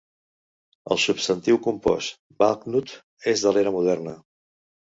El substantiu compost "valknut" és de l'era moderna.